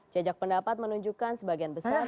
jejak pendapat menunjukkan sebagian besar setuju revisi